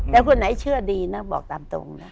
แต่คนไหนเชื่อดีนะบอกตามตรงนะ